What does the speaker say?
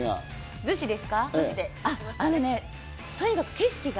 逗子ですか？